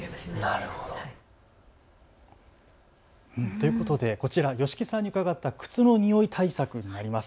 ということでこちら、吉木さんに伺った靴の臭い対策になります。